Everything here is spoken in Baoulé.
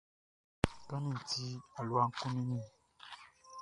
Kanʼni ti, alua kunnin mi.